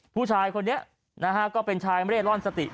ผู้ชายคนนี้นะฮะก็เป็นชายไม่ได้ร่อนสติ